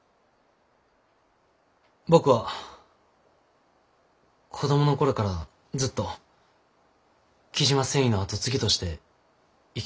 僕は子供の頃からずっと雉真繊維の後継ぎとして生きてきました。